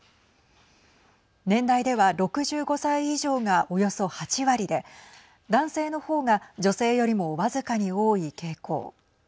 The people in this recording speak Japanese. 年代では６５歳以上がおよそ８割で男性の方が女性よりも僅かに多い傾向。